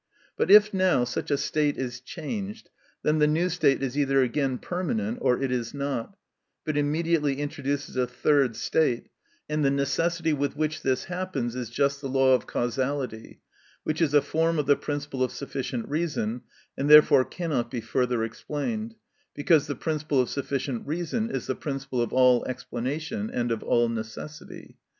But if, now, such a state is changed, then the new state is either again permanent or it is not, but immediately introduces a third state, and the necessity with which this happens is just the law of causality, which is a form of the principle of sufficient reason, and therefore cannot be further explained, because the principle of sufficient reason is the principle of all explanation and of all necessity.